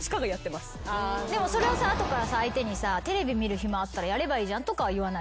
でもそれを後からさ相手にさテレビ見る暇あったらやればいいとかは言わないでしょ？